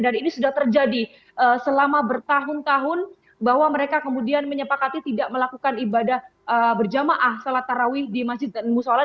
dan ini sudah terjadi selama bertahun tahun bahwa mereka kemudian menyepakati tidak melakukan ibadah berjamaah sholat tarawih di masjid atau mushalat